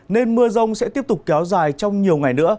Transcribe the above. nên mưa rông sẽ tiếp tục kéo dài trong nhiều ngày nữa